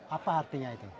apa artinya itu